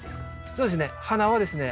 そうですね。